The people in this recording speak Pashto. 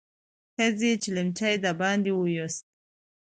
ښځې چلمچي د باندې ويست.